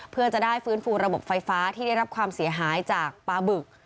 เพื่อจะได้ฟื้นฟูระบบไฟฟ้าที่ได้รับความเสียหายจากปลาบึก